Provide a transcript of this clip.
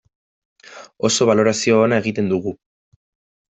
Oso balorazio ona egiten dugu.